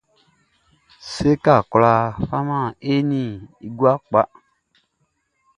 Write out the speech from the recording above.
Séka kwla man e i gua kpa.